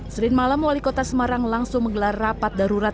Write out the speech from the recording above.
senin malam wali kota semarang langsung menggelar rapat darurat